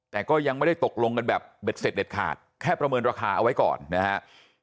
แต่ก็ยังไม่ได้ตกลงกันแบบเด็ดเสร็จเด็ดขาดแค่ประเมินราคาเอาไว้ก่อนนะครับ